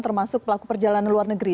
termasuk pelaku perjalanan luar negeri